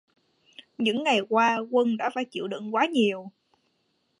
Những ngày qua Quân đã phải chịu đựng quá nhiều